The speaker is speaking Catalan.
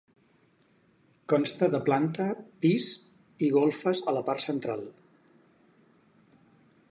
Consta de planta pis i golfes a la part central.